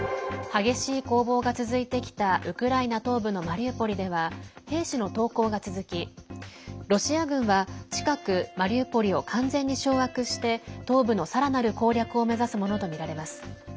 激しい攻防が続いてきたウクライナ東部のマリウポリでは兵士の投降が続きロシア軍は近くマリウポリを完全に掌握して東部のさらなる攻略を目指すものとみられます。